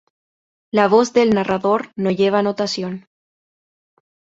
La voz del narrador no lleva notación.